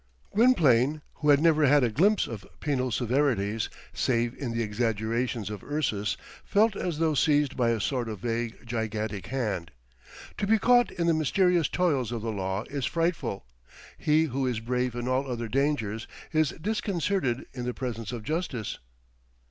Gwynplaine, who had never had a glimpse of penal severities, save in the exaggerations of Ursus, felt as though seized by a sort of vague gigantic hand. To be caught in the mysterious toils of the law is frightful. He who is brave in all other dangers is disconcerted in the presence of justice.